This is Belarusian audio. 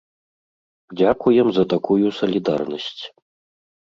Дзякуем за такую салідарнасць.